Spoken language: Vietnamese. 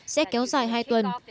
sẽ kéo dài hai tuần